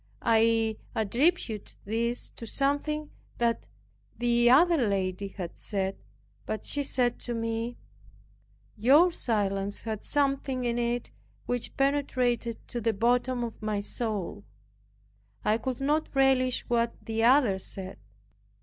I attributed this to something the other lady had said, but she said to me, "Your silence had something in it which penetrated to the bottom of my soul. I could not relish what the other said."